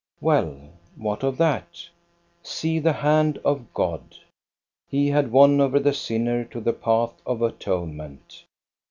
Well, what of that? See the hand of God ! He had won over the sinner to the path of atonement.